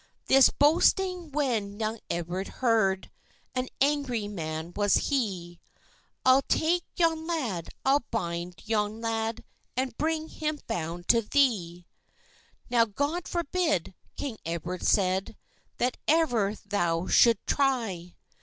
This boasting when young Edward heard, An angry man was he: "I'll take yon lad, I'll bind yon lad, And bring him bound to thee! "Now, God forbid," king Edward said, "That ever thou shou'd try!